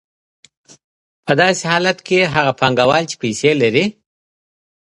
په داسې حالت کې هغه پانګوال چې پیسې لري